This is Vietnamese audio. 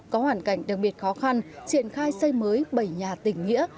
có hoàn cảnh đặc biệt khó khăn triển khai xây mới bảy nhà tỉnh nghĩa